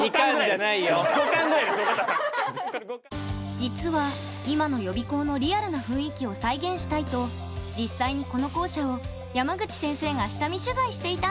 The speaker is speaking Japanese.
実は今の予備校のリアルな雰囲気を再現したいと実際にこの校舎を山口先生が下見取材していたんです。